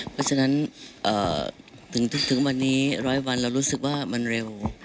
เพราะฉะนั้นถึงวันนี้๑๐๐วันเรารู้สึกว่ามันเร็ว